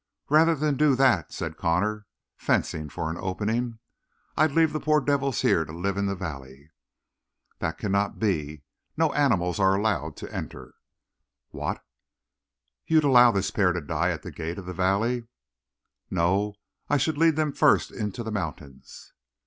"Rather than do that," said Connor, fencing for an opening, "I'd leave the poor devils here to live in the valley." "That cannot be. No animals are allowed to enter." "What? You'd allow this pair to die at the gate of the valley?" "No; I should lead them first into the mountains."